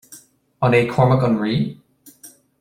An é Cormac an rí?